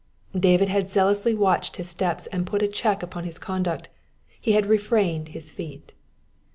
David had zealously watched his steps and put a check upon his conduct,— be had refrained his feet.